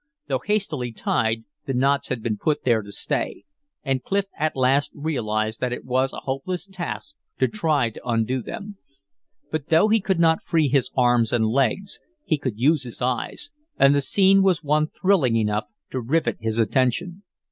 Though hastily tied, the knots had been put there to stay, and Clif at last realized that it was a hopeless task to try to undo them. But though he could not free his arms and legs, he could use his eyes, and the scene was one thrilling enough to rivet his attention.